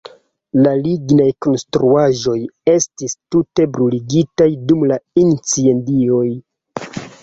La lignaj konstruaĵoj estis tute bruligitaj dum la incendioj.